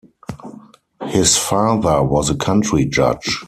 His father was a country judge.